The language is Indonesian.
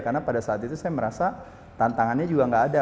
karena pada saat itu saya merasa tantangannya juga gak ada